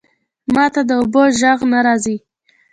ماته د اوبو ژغ نه راځی